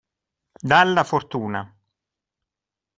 Dalla fortuna.